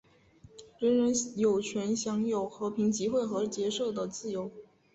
人人有权享有和平集会和结社的自由。